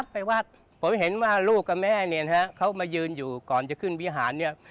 พวกเด็กก็ชอบมากครับนะฮะเรื่องหุ่นเนี่ยนะฮะ